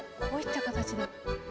こういった形で。